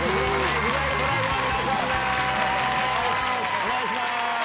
お願いします。